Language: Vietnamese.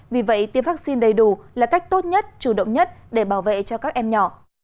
vì vậy tiêm vaccine đầy đủ là cách tốt nhất chủ động nhất để bảo vệ cho các em nhỏ